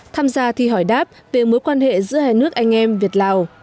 tham gia thi hỏi đáp về mối quan hệ giữa hai nước việt nam và lào